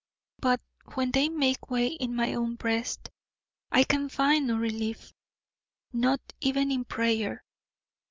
But when they make way in my own breast, I can find no relief, not even in prayer.